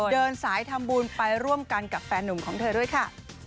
เดินสายทำบุญไปร่วมกันกับแฟนหนุ่มของเธอด้วยค่ะ